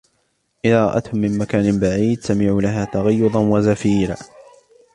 إذا رأتهم من مكان بعيد سمعوا لها تغيظا وزفيرا